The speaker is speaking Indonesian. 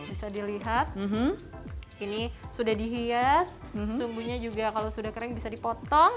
bisa dilihat ini sudah dihias sumbunya juga kalau sudah kering bisa dipotong